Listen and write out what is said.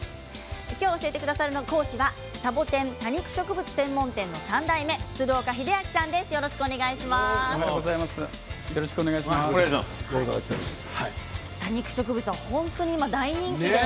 きょう教えてくださるのはサボテン、多肉植物専門店の３代目、鶴岡秀明さんです。